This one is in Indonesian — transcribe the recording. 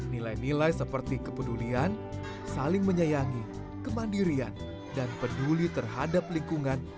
nilai nilai seperti kepedulian saling menyayangi kemandirian dan peduli terhadap lingkungan